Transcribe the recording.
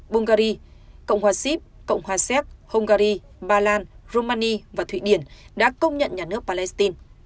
bulgaria cộng hòa sip cộng hòa séc hungary bà lan romania và thụy điển đã công nhận nhà nước palestine